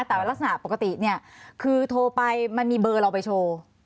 แต่ลักษณะปกติเนี่ยคือโทรไปมันมีเบอร์เราไปโชว์